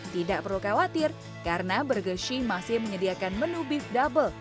tidak perlu khawatir karena bergeshi masih menyediakan menu beef double